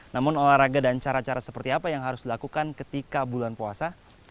namun olahraga dan cara cara seperti apa yang harus dilakukan ketika bulan puasa